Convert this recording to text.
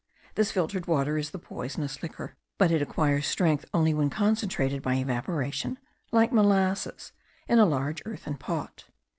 This filtered water is the poisonous liquor, but it acquires strength only when concentrated by evaporation, like molasses, in a large earthen pot.